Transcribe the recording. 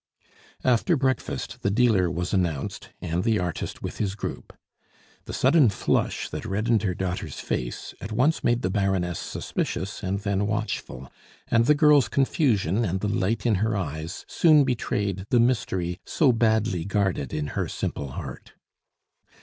After breakfast the dealer was announced, and the artist with his group. The sudden flush that reddened her daughter's face at once made the Baroness suspicious and then watchful, and the girl's confusion and the light in her eyes soon betrayed the mystery so badly guarded in her simple heart.